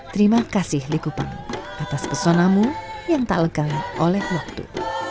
terima kasih likupang atas pesonamu yang tak lekang oleh waktu